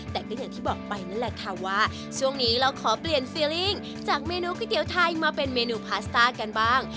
แต่ก็อย่างที่บอกไปนั่นแหละค่ะว่าช่วงนี้เราขอเปลี่ยนซีริ่งจากเมนูก๋วยเตี๋ยวไทยมาเป็นเมนูพาสต้ากันบ้าง